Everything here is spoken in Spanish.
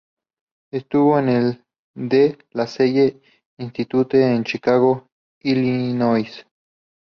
Estuvo en el De La Salle Institute en Chicago, Illinois.